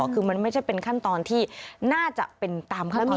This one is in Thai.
คือมันไม่ใช่เป็นขั้นตอนที่น่าจะเป็นตามขั้นตอน